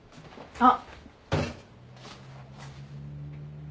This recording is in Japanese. あっ